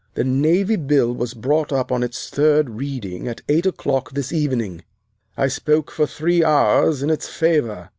The Navy Bill was brought up on its third reading at eight o'clock this evening. I spoke for three hours in its favor.